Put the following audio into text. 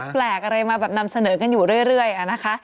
แปลกอะไรมาแบบนำเสนอกันอยู่เรื่อยนะคะ